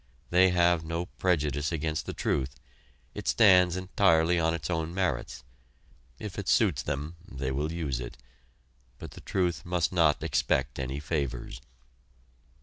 They have no prejudice against the truth. It stands entirely on its own merits. If it suits them, they will use it, but the truth must not expect any favors.